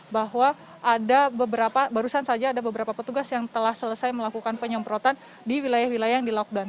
bahwa ada beberapa barusan saja ada beberapa petugas yang telah selesai melakukan penyemprotan di wilayah wilayah yang di lockdown